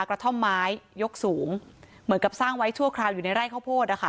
กระท่อมไม้ยกสูงเหมือนกับสร้างไว้ชั่วคราวอยู่ในไร่ข้าวโพดอะค่ะ